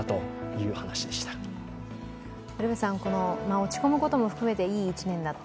落ち込むことも含めていい１年だった。